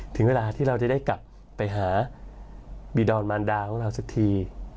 ถึงเวลาที่เราจะได้กลับไปหาบีดอนมารดาของเราสักที